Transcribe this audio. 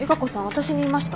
私に言いました？